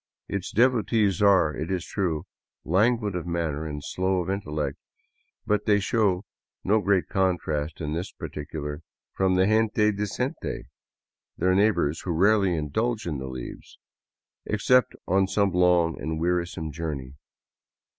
Its devotees are, it is true, languid of manner and slow of intellect ; but they show no great contrast in this particular from the " gente decente," their neighbors, who rarely indulge in the leaves, except on some long and wearisome journey.